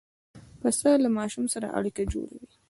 پسه له ماشوم سره اړیکه جوړوي.